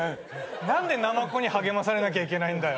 何でなまこに励まされなきゃいけないんだ。